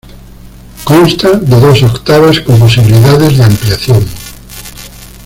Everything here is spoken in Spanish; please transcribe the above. Consta de dos octavas con posibilidades de ampliación.